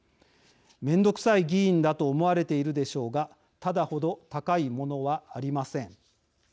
面倒くさい議員だと思われているでしょうがただほど高いものはありません」。